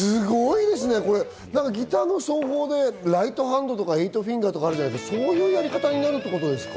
ギターの奏法でライトハンドとか、エイトフィンガーとかあるじゃないですか、そういうやり方になるってことですか？